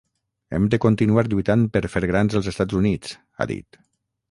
Hem de continuar lluitant per fer grans els Estats Units, ha dit.